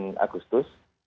di bulan agustus